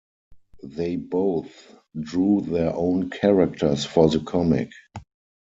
They both drew their own characters for the comic.